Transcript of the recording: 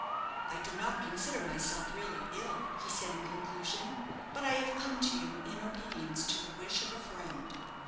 "I do not consider myself really ill," he said, in conclusion; "but I have come to you in obedience to the wish of a friend."